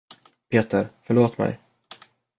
Peter, förlåt mig.